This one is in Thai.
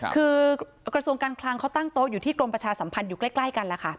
คือกระทรวงการคลังเขาตั้งโต๊ะอยู่ที่กรมประชาสัมพันธ์อยู่ใกล้กันล่ะค่ะ